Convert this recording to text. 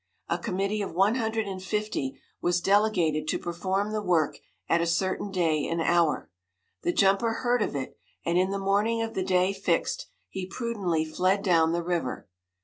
A committee of one hundred and fifty was delegated to perform the work at a certain day and hour. The jumper heard of it, and in the morning of the day fixed, he prudently fled down the river.